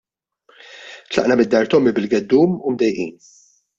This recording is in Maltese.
Tlaqna mid-dar t'ommi bil-geddum u mdejqin.